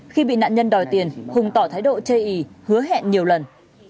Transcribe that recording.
khi bị nạn nhân đòi tiền hùng tỏ thái độ chê ý hứa hẹn nhiều lần